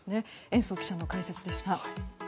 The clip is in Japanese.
延増記者の解説でした。